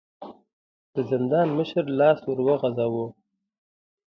د زندان مشر لاس ور وغځاوه.